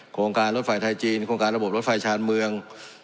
โครงการรถไฟไทยจีนโครงการระบบรถไฟชาญเมือง